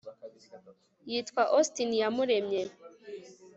Yitwa Augustin iyamuremye